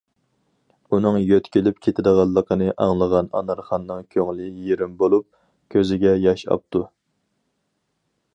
ئۇنىڭ يۆتكىلىپ كېتىدىغانلىقىنى ئاڭلىغان ئانارخاننىڭ كۆڭلى يېرىم بولۇپ، كۆزىگە ياش ئاپتۇ.